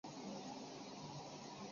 反芳香化合物比环状多烯不稳定。